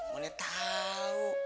mau dia tahu